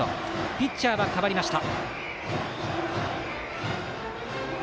ピッチャーは代わりました。